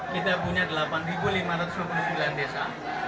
kita punya delapan lima ratus dua puluh sembilan desa